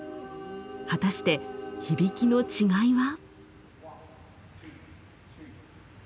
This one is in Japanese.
果たして響きの違いは？